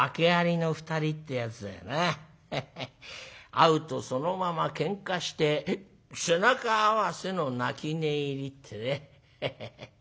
『会うとそのまま喧嘩して背中合わせの泣き寝入り』ってね。ハハハ」。